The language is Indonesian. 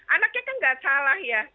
anaknya kan nggak salah ya